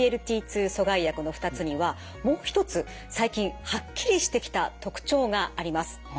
２阻害薬の２つにはもう一つ最近はっきりしてきた特徴があります。